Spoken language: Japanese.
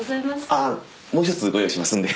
あっもう１つご用意しますんで。